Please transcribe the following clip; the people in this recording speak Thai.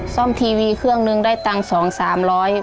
ซ่อมทีวีเครื่องนึงได้ตั้งสองสามร้อย